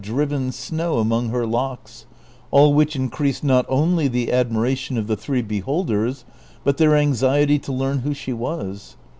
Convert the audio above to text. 227 driven snow among her locks ; all wliicli increased not only the admiration of the three beholders, but their anxiety to learn who she was.